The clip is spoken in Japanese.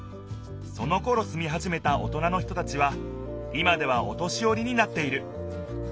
そのころすみはじめたおとなの人たちは今ではお年よりになっている。